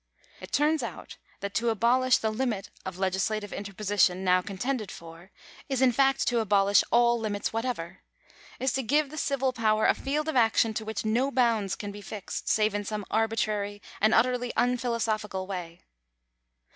It turns out that to abolish the limit of legislative interposition now contended for, is in fact to abolish all limits whatever — is to give the civil power a field of action to which no bounds can be fixed, save in some arbitrary and utterly unphilosophical way.